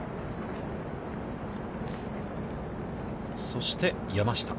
そして、山下。